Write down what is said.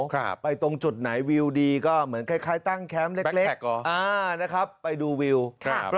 ครับไปตรงจุดไหนวิวดีก็เหมือนคล้ายคล้ายตั้งแคมป์เล็กเล็กเหรออ่านะครับไปดูวิวครับ